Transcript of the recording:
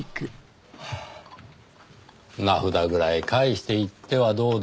名札ぐらい返していってはどうでしょうねぇ。